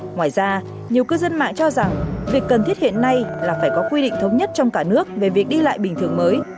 ngoài ra nhiều cư dân mạng cho rằng việc cần thiết hiện nay là phải có quy định thống nhất trong cả nước về việc đi lại bình thường mới